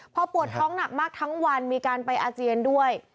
พอปวดท้องหนักมากทั้งวันมีการไปอาเจียนด้วย